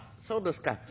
「そうですか。